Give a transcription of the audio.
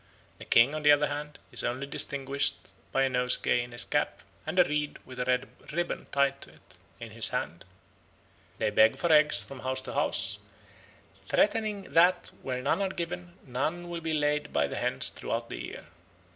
The king, on the other hand, is only distinguished by a nosegay in his cap, and a reed, with a red ribbon tied to it, in his hand. They beg for eggs from house to house, threatening that, where none are given, none will be laid by the hens throughout the year.